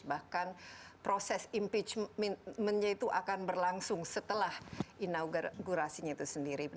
bahkan proses impeachmentnya itu akan berlangsung setelah inaugurasinya itu sendiri